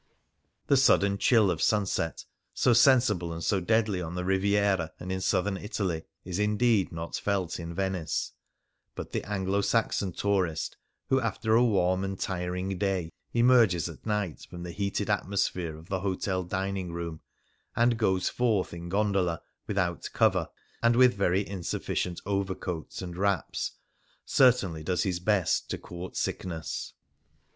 The sudden chill of sunset, so sensible and so deadly on the Riviera and in Southern Italy, is indeed not felt in Venice ; but the Anglo Saxon tourist, who, after a warm and tiring day, emerges at night from the heated atmosphere of the hotel dining room, and goes forth in gondola without cover, and with very insuHicient overcoats and wraps, certainly does his best to court sickness.